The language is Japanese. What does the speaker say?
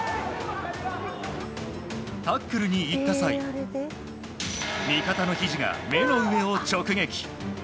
タックルに行った際味方のひじが目の上を直撃。